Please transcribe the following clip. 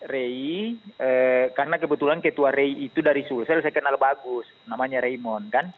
ray karena kebetulan ketua ray itu dari sul saya kenal bagus namanya raymond kan